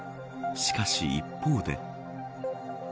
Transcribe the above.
しかし一方で。